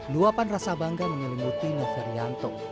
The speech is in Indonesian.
luapan rasa bangga menyelimuti noferianto